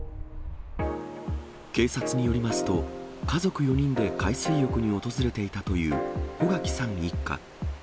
警察によりますと、家族４人で海水浴に訪れていたというほがきさん一家。